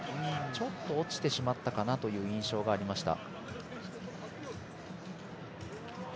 ちょっと落ちてしまったかなという印象がありました。